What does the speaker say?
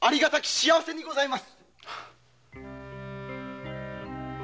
幸せにございます。